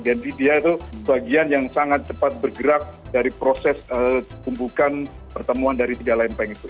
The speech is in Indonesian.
jadi dia itu bagian yang sangat cepat bergerak dari proses tumbukan pertemuan dari tiga lempeng itu